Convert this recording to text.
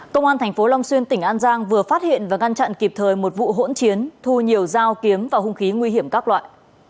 công an tp long xuyên tỉnh an giang vừa phát hiện và ngăn chặn kịp thời một vụ hỗn chiến thu nhiều dao kiếm và hung khí nguy hiểm các loại